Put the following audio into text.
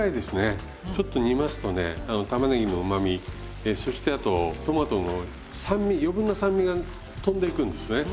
ちょっと煮ますとね玉ねぎのうまみそしてあとトマトの酸味余分な酸味がとんでいくんですね。